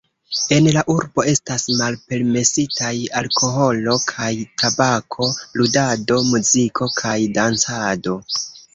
En la urbo estas malpermesitaj alkoholo kaj tabako, ludado, muziko kaj dancado.